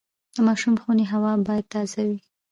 د ماشوم خونې هوا باید تازه وي۔